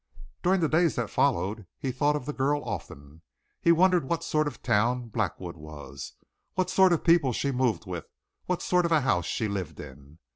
During the days that followed he thought of the girl often. He wondered what sort of a town Blackwood was; what sort of people she moved with, what sort of a house she lived in.